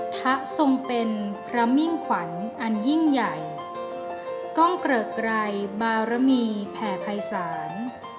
พระทรงเป็นพระมิ่งขวัญอันยิ่งใหญ่กล้องเกริกไกรบารมีแผ่ภัยศาล